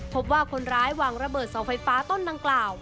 พบว่าคนร้ายวางระเบิดเสาไฟฟ้าต้นดังกล่าว